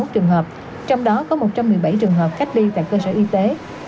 một năm trăm bảy mươi một trường hợp trong đó có một trăm một mươi bảy trường hợp cách ly tại cơ sở y tế